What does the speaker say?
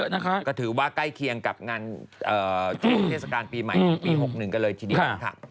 ในเทศกาลปีใหม่ปี๖๑กันเลยทีเดียวค่ะ